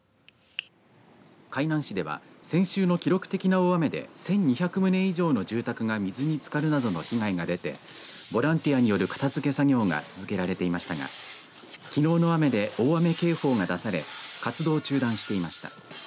海南市では先週の記録的な大雨で１２００棟以上の住宅が水につかるなどの被害が出てボランティアによる片づけ作業が続けられていましたがきのうの雨で大雨警報が出され活動を中断していました。